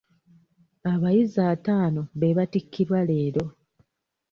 Abayizi ataano be battikirwa leero.